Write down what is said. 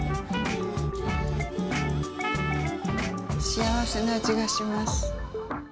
幸せなあじがします。